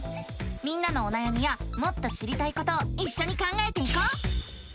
みんなのおなやみやもっと知りたいことをいっしょに考えていこう！